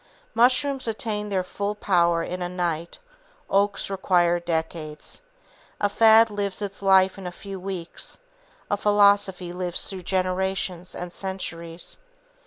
Mushrooms attain their full power in a night; oaks require decades. A fad lives its life in a few weeks; a philosophy lives through generations and centuries.